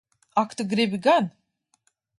Ak tu gribi gan!